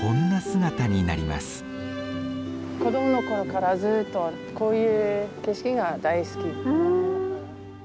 子供のころからずっとこういう景色が大好き。